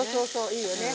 いいよね。